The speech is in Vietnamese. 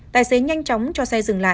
tài xế nhanh chóng cho xe dừng lại